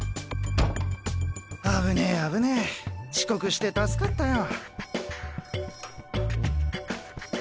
あぶねえあぶねえ。遅刻して助かったよ。